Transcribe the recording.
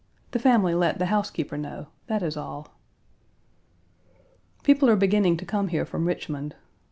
The family let the housekeeper know; that is all. People are beginning to come here from Richmond.